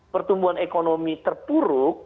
pertumbuhan ekonomi terpuruk